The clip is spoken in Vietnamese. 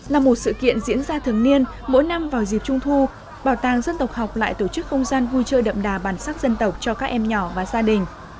là một sự kiện diễn ra thường niên mỗi năm vào dịp trung thu bảo tàng dân tộc học lại tổ chức không gian vui chơi đậm đà bản sắc dân tộc cho các em nhỏ và gia đình